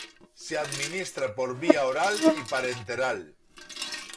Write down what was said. Se administra por vía oral y parenteral.